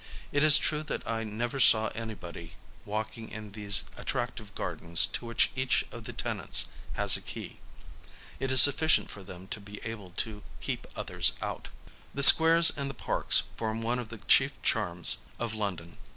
It is true that I never saw anybody walking in these attractive gardens to which each of the tenants has a key : it is sufficient for them to be able to keep others out. i V A DAY IN LONDON 57 The squares and the parks form one of the chief charms of London.